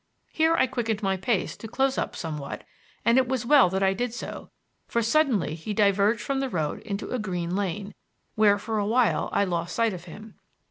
Here I quickened my pace to close up somewhat, and it was well that I did so, for suddenly he diverged from the road into a green lane, where for a while I lost sight of him.